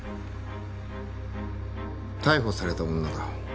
逮捕された女だ